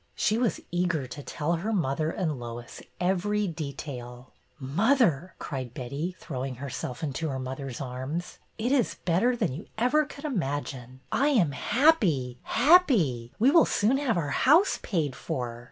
She was eager to tell her mother and Lois every detail. '' Mother," cried Betty, throwing herself into her mother's arms, it is better than you ever could imagine! I am happy, happy! We will soon have our house paid for."